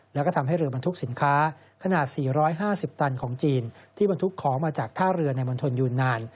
แล้วก็ทำให้เรือบรรทุกข์สินค้าขนาดสี่ร้อยห้าสิบตันของจีนที่บรรทุกของมาจากท่ารือในบนทลยูนาน